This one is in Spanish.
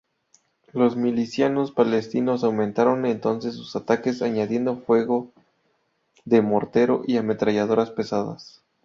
Los milicianos palestinos aumentaron entonces sus ataques, añadiendo fuego de mortero y ametralladoras pesadas.